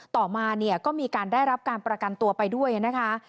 ต่อมาเนี่ยก็มีการได้รับการประกันตัวไปด้วยนะคะ